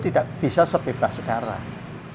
tidak bisa sebebas sekarang